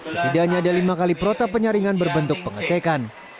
setidaknya ada lima kali protap penyaringan berbentuk pengecekan